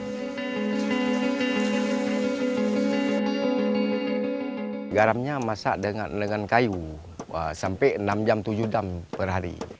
garamnya masak dengan kayu sampai enam jam tujuh jam per hari